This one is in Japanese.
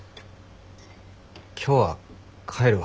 今日は帰るわ。